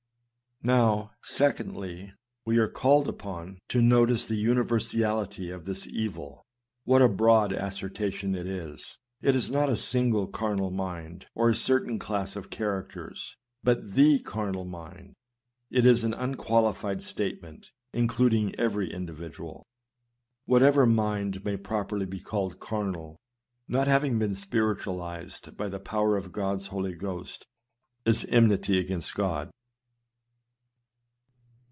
II. Now, secondly, we are called upon to notice the universality of this evil. What a broad assertion it is, It is not a single carnal mind, or a certain class of 238 SERMONS. characters, but " the carnal mind." It is an unqualified statement, including every individual. "Whatever mind may properly be called carnal, not having been spiritu alized by the power of God's Holy Ghost, is " enmity against God."